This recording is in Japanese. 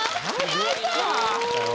やった！